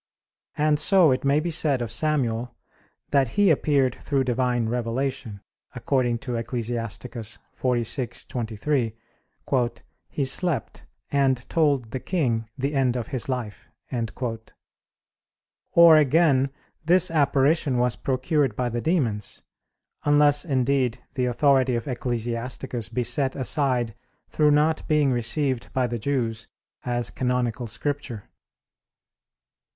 And so it may be said of Samuel that he appeared through Divine revelation; according to Ecclus. 46:23, "he slept, and told the king the end of his life." Or, again, this apparition was procured by the demons; unless, indeed, the authority of Ecclesiasticus be set aside through not being received by the Jews as canonical Scripture.